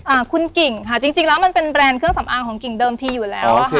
อ่าคุณกิ่งค่ะจริงจริงแล้วมันเป็นแบรนด์เครื่องสำอางของกิ่งเดิมทีอยู่แล้วอ่ะค่ะ